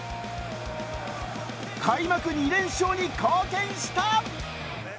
開幕２連勝に貢献した。